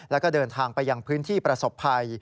แล้วก็เดินทางไปยังพื้นที่ประสบภัย